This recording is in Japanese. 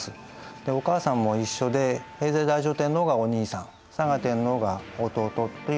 でお母さんも一緒で平城太上天皇がお兄さん嵯峨天皇が弟という関係になります。